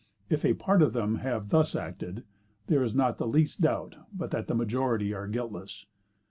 If a part of them have thus acted, there is not the least doubt but that the majority are guiltless.